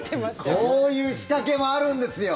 こういう仕掛けもあるんですよ。